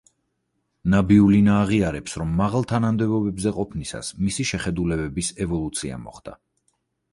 ნაბიულინა აღიარებს, რომ მაღალ თანამდებობზე ყოფნისას მისი შეხედულებების ევოლუცია მოხდა.